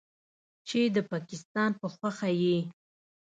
چې د پکستان په خوښه یې